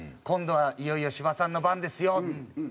「今度はいよいよ芝さんの番ですよ」。